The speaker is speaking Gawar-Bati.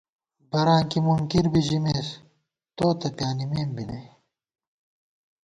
براں کی مُنکِر بی ژِمېس، تو تہ پیانِمېم بی نئ